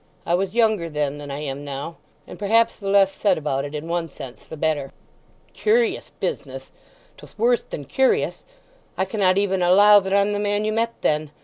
I was younger then than I am now, and perhaps the less said about it, in one sense, the better." "Curious business! 'Twas worse than curious. I cannot even allow that I'm the man you met then.